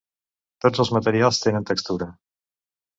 Tots els materials tenen textura.